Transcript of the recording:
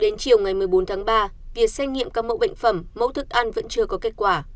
đến chiều ngày một mươi bốn tháng ba việc xét nghiệm các mẫu bệnh phẩm mẫu thức ăn vẫn chưa có kết quả